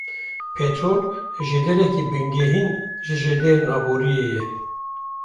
Petrol jêdereke bingehîn ji jêderên aboriyê ye.